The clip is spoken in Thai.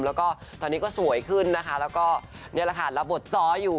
แล้วก็ตอนนี้ก็สวยขึ้นนะคะแล้วก็นี่แหละค่ะรับบทซ้ออยู่